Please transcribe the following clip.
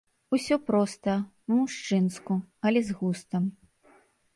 Усё проста, па-мужчынску, але з густам.